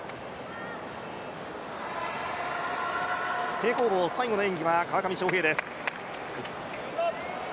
平行棒、最後の演技は川上翔平です